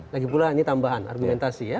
lagipula ini tambahan argumentasi ya